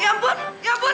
ya ampun ya ampun